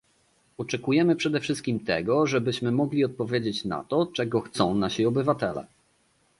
Oczekujemy przede wszystkim tego, żebyśmy mogli odpowiedzieć na to, czego chcą nasi obywatele